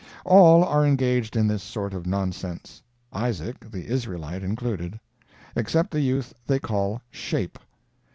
All are engaged in this sort of nonsense, (Isaac, the Israelite, included,) except the youth they call "Shape."